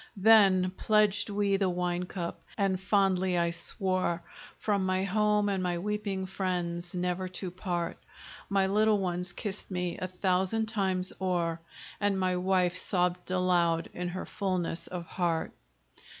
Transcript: Then pledged we the wine cup, and fondly I swore From my home and my weeping friends never to part; My little ones kissed me a thousand times o'er, And my wife sobbed aloud in her fullness of heart.